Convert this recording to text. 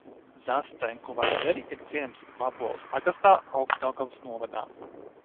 Zascenku Vaideri ir ciems Vaboles pagastā, Augšdaugavas novadā.